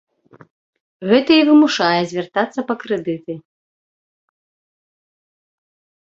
Гэта і вымушае звяртацца па крэдыты.